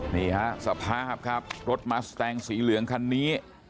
นี่ฮะสภาพครับรถมัสแตงสีเหลืองคันนี้